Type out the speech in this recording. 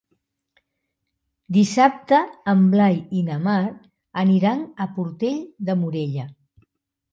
Dissabte en Blai i na Mar aniran a Portell de Morella.